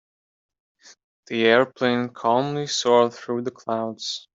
The airplane calmly soared through the clouds.